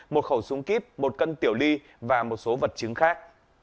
một khẩu súng kíp một cân tiểu ly và một số vật chứng khác